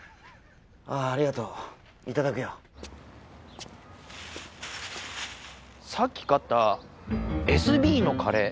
ああありがとういただくよさっき買ったエスビーのカレー